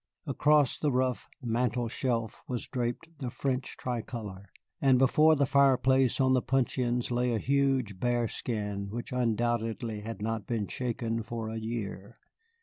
Across the rough mantel shelf was draped the French tricolor, and before the fireplace on the puncheons lay a huge bearskin which undoubtedly had not been shaken for a year.